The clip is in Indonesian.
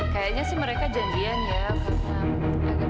kayaknya sih mereka janjian ya karena agak mencuriga agak